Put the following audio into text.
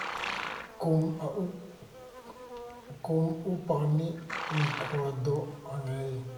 Kum upa nih mitkhuaidor an ngei.